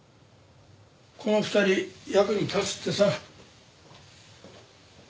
この２人役に立つってさ。